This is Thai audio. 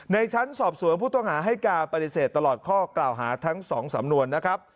ชั้นสอบสวนผู้ต้องหาให้การปฏิเสธตลอดข้อกล่าวหาทั้ง๒สำนวนนะครับ